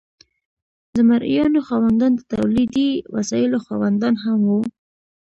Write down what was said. د مرئیانو خاوندان د تولیدي وسایلو خاوندان هم وو.